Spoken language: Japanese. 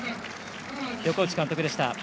横打監督でした。